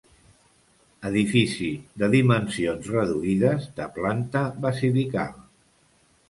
Edifici de dimensions reduïdes de planta basilical.